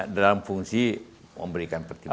dalam fungsi memberikan pertimbangan